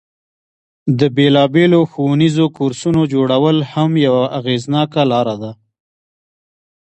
د بیلابیلو ښوونیزو کورسونو جوړول هم یوه اغیزناکه لاره ده.